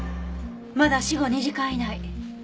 まだ死後２時間以内。